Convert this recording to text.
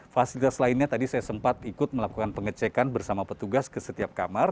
fasilitas lainnya tadi saya sempat ikut melakukan pengecekan bersama petugas ke setiap kamar